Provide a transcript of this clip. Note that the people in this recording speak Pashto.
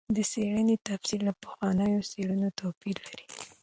د څېړنې تفسیر له پخوانیو څېړنو توپیر لري.